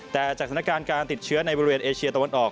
แต่จากสถานการณ์การติดเชื้อในบริเวณเอเชียตะวันออก